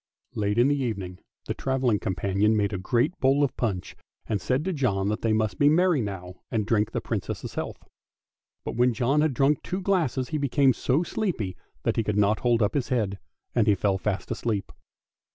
Late in the evening the travelling companion made a great bowl of punch, and said to John that they must be merry now and drink the Princess' health. But when John had drunk two glasses he became so sleepy that he could not hold up his head, and he fell fast asleep.